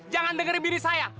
jangan dengerin bini saya